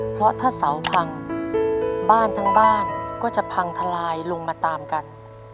เพราะถ้าเสาพังบ้านทั้งบ้านก็จะพังทลายลงมาตามกัน